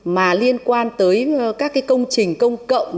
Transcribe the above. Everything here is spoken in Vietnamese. mà liên quan tới các cái công trình công cộng